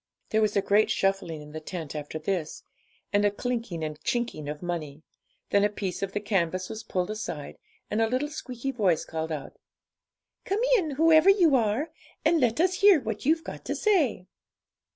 There was a great shuffling in the tent after this, and a clinking and chinking of money; then a piece of the canvas was pulled aside, and a little squeaky voice called out 'Come in, whoever you are, and let us hear what you've got to say.'